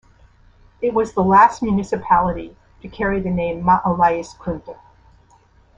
It was the last municipality to carry the name maalaiskunta.